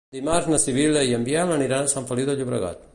Dimarts na Sibil·la i en Biel aniran a Sant Feliu de Llobregat.